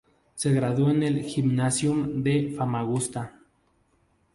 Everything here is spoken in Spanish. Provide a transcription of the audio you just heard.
Se graduó en el Gymnasium de Famagusta.